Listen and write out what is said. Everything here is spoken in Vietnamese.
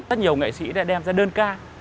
rất nhiều nghệ sĩ đã đem ra đơn ca